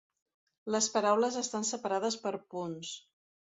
Les paraules estan separades per punts.